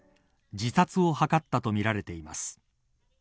自殺を図ったとみられています。